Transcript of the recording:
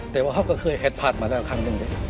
แต่ว่าเขาก็เคยแฮดผ่านมาแล้วครั้งหนึ่ง